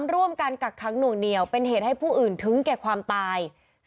ร่วมกันกักขังหน่วงเหนียวเป็นเหตุให้ผู้อื่นถึงแก่ความตาย